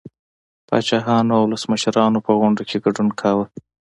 پاچاهانو او ولسمشرانو په غونډو کې ګډون کاوه